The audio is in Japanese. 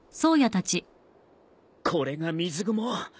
これが水雲。